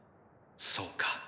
そうか。